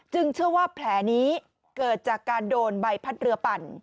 เชื่อว่าแผลนี้เกิดจากการโดนใบพัดเรือปั่น